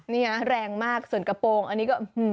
นี่แรงมากส่วนกระโปรงอันนี้ก็